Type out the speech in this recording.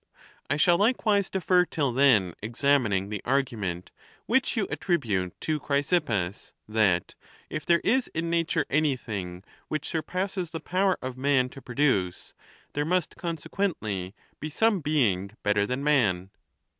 I shall likewise defer till then examining the argument which you attribute to Chrysippus, that " if there is in nature anything which surpasses the power of man *to produce, there must consequently be some being better than man."